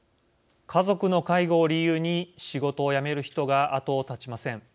家族の介護を理由に仕事を辞める人が後を絶ちません。